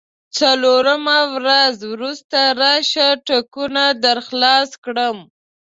څلورمه ورځ وروسته راشه، ټکونه درخلاص کړم.